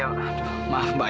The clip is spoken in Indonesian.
aduh maaf mbak